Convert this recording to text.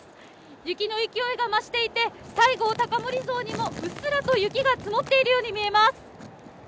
雪の勢いが増していて、西郷隆盛像にもうっすらと雪が積もっているように見えます。